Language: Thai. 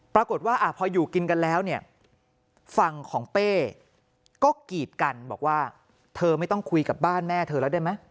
ปรากฏว่าพออยู่กินกันแล้วเนี่ยฝั่งของเป้ก็กีดกันบอกว่าเธอไม่ต้องคุยกับบ้านแม่เธอแล้วได้ไหม